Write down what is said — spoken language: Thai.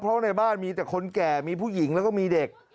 เพราะในบ้านมีแต่คนแก่มีผู้หญิงแล้วก็มีเด็ก